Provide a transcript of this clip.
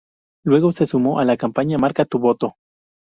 Luego se sumó a la campaña Marca tu voto.